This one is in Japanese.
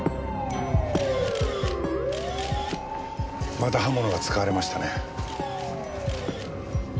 また刃物が使われましたね。